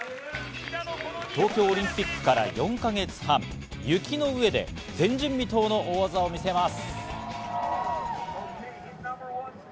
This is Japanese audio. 東京オリンピックから４か月半、雪の上で前人未到の大技を見せます。